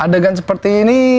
adegan seperti ini